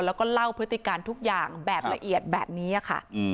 แล้วก็เล่าพฤติการทุกอย่างแบบละเอียดแบบนี้ค่ะ